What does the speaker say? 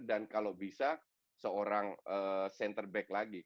dan kalau bisa seorang center fielder